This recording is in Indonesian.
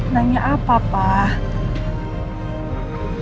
nanya apa pak